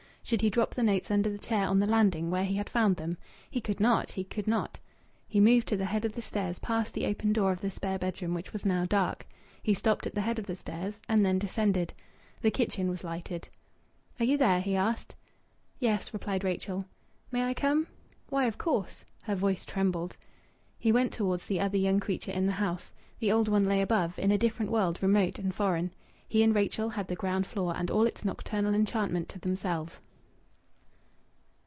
Should he drop the notes under the chair on the landing, where he had found them?... He could not! He could not!... He moved to the head of the stairs, past the open door of the spare bedroom, which was now dark. He stopped at the head of the stairs, and then descended. The kitchen was lighted. "Are you there?" he asked. "Yes," replied Rachel. "May I come?" "Why, of course!" Her voice trembled. He went towards the other young creature in the house. The old one lay above, in a different world remote and foreign. He and Rachel had the ground floor and all its nocturnal enchantment to themselves.